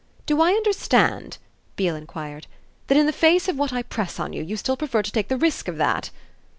Do I understand," Beale enquired, "that, in the face of what I press on you, you still prefer to take the risk of that?"